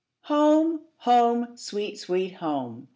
Home! home! sweet, sweet home!